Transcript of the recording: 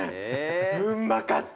うんまかった！